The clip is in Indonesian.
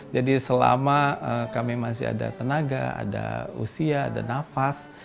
jadi selama kami masih ada tenaga ada usia ada nafas